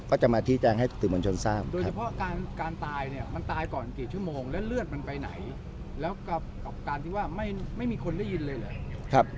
ก็จะมาที่แจ้งให้ติดวนชนทราบ